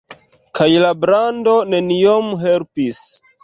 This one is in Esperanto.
Kaj la brando neniom helpis.